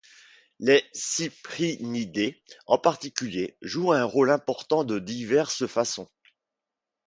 Les cyprinidés, en particulier, jouent un rôle important de diverses façons.